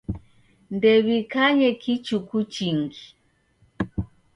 Ndew'ikanye kichuku chingi.